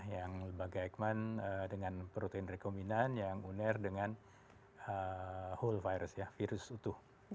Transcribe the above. yang lembaga eijkman dengan protein rekombinan yang uner dengan whole virus ya virus utuh